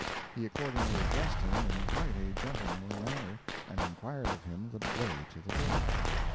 He accordingly addressed him in quite a gentlemanly manner, and inquired of him the way to the village.